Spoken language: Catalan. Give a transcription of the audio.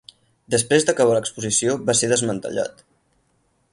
Després d'acabar l'exposició va ser desmantellat.